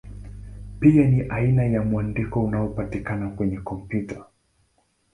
Pia ni aina ya mwandiko unaopatikana kwenye kompyuta.